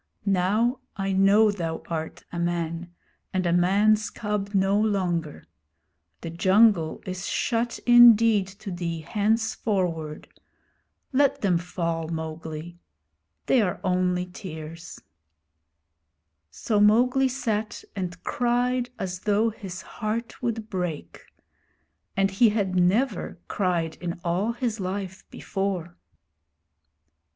'Now I know thou art a man, and a man's cub no longer. The jungle is shut indeed to thee henceforward. Let them fall, Mowgli. They are only tears.' So Mowgli sat and cried as though his heart would break; and he had never cried in all his life before.